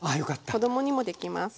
子供にもできます。